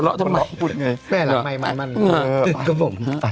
เธอหวัดร้องแม่หลังไม้